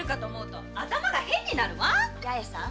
八重さん。